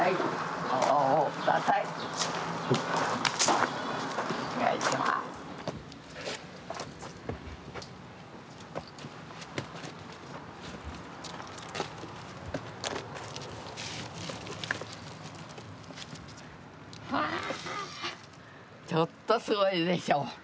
ちょっとすごいでしょ。ね！